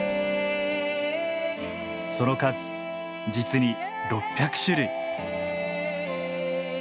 その数実に６００種類。